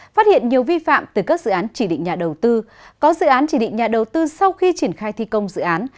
phát hiện nhiều vi phạm từ các dự án chỉ định nhà đầu tư có dự án chỉ định nhà đầu tư sau khi triển khai thi công dự án